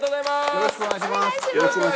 よろしくお願いします。